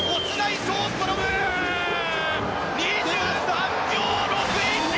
２３秒６１！